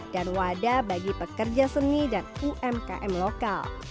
dan wadah bagi pekerja seni dan umkm lokal